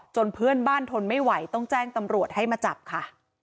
เพื่อนบ้านทนไม่ไหวต้องแจ้งตำรวจให้มาจับค่ะ